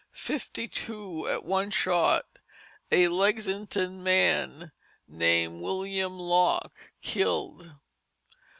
Fifty two at one shot, a Lexington man named William Locke killed.